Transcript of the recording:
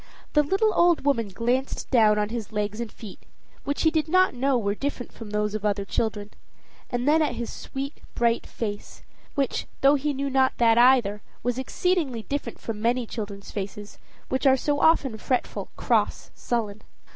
The little old woman glanced down on his legs and feet, which he did not know were different from those of other children, and then at his sweet, bright face, which, though he knew not that either, was exceedingly different from many children's faces, which are often so fretful, cross, sullen.